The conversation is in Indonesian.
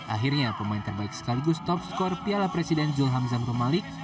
akhirnya pemain terbaik sekaligus top skor piala presiden zulham zamru malik